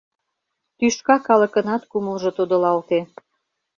Тӱшка калыкынат кумылжо тодылалте...